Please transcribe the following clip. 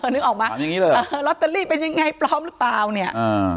นึกออกมั้ยลอตเตอรี่เป็นอย่างไรเปล่าหรือเปล่าเนี่ย